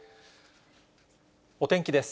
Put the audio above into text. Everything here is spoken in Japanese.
お天気です。